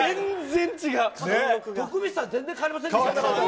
徳光さん、全然変わりません